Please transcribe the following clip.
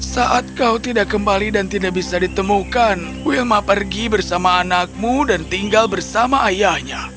saat kau tidak kembali dan tidak bisa ditemukan wilma pergi bersama anakmu dan tinggal bersama ayahnya